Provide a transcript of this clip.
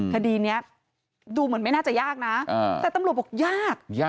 คดีนี้ดูเหมือนไม่น่าจะยากนะแต่ตำรวจบอกยาก